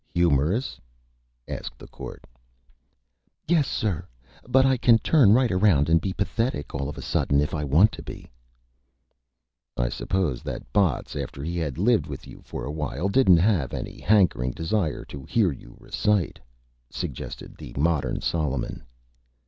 "Humorous?" asked the Court. "Yes, sir; but I can turn right around and be Pathetic all of a sudden, if I want to be." [Illustration: CHEMICAL FLORA] "I suppose that Botts, after he had lived with you for awhile, didn't have any Hankering Desire to hear you Recite," suggested the Modern Solomon.